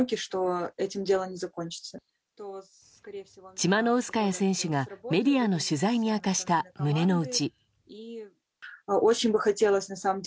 チマノウスカヤ選手がメディアの取材に明かした胸の内。